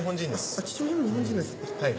あっ父親が日本人ですか。